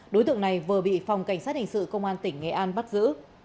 đối tượng này vừa bị phòng cảnh sát hình sự công an tỉnh nghệ an bắt giữ